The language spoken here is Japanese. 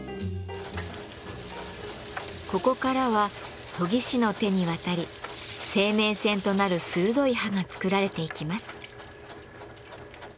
ここからは研ぎ師の手に渡り生命線となる鋭い刃が作られていきます。